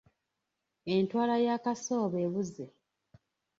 Entwala ya Kasooba ebuze.